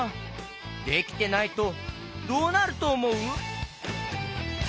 できてないとどうなるとおもう？